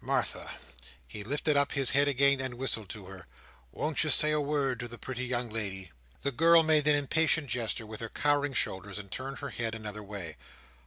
Martha!" (he lifted up his head again, and whistled to her) "won't you say a word to the pretty young lady?" The girl made an impatient gesture with her cowering shoulders, and turned her head another way.